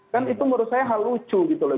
kan itu menurut saya hal lucu gitu loh